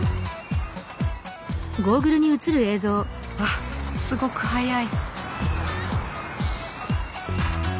わっすごく速い。